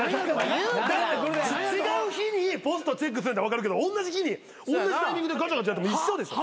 違う日にポストチェックするんやったら分かるけどおんなじ日におんなじタイミングでガチャガチャやっても一緒でしょ。